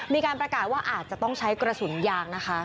มีการประกาศว่าอาจจะต้องใช้กระสุนยางนะคะ